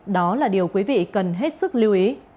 đó là điều quý vị cần hết sức lưu ý